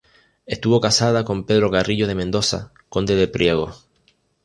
Estuvo casada con Pedro Carrillo de Mendoza, conde de Priego.